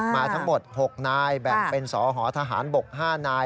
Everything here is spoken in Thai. มาทั้งหมด๖นายแบ่งเป็นสหทหารบก๕นาย